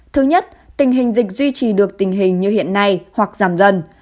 thứ nhất tình hình dịch duy trì được tình hình như hiện nay hoặc giảm dần